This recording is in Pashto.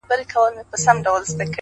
هدف واضح وي نو وېره کمېږي,